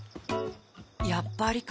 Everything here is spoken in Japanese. やっぱりか。